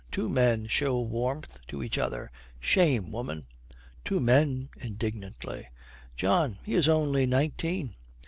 Two men show warmth to each other! Shame, woman!' 'Two men!' indignantly. 'John, he is only nineteen.'